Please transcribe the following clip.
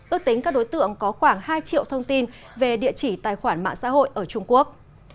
ước tính các đối tượng có khoảng hai triệu thông tin về địa chỉ tài khoản mạng xã hội ở trung quốc